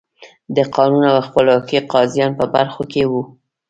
د قانون او خپلواکو قاضیانو په برخو کې وو.